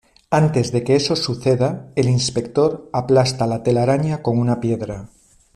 Antes de que eso suceda, el inspector aplasta la telaraña con una piedra.